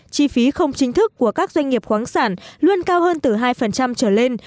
chi phí không chính thức của các doanh nghiệp khoáng sản luôn cao hơn từ hai trở lên